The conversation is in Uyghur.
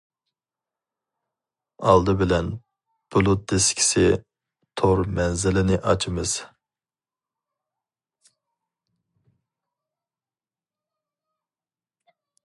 ئالدى بىلەن بۇلۇت دىسكىسى تور مەنزىلىنى ئاچىمىز.